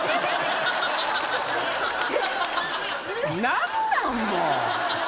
何なんもう！